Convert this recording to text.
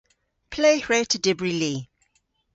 Ple hwre'ta dybri li?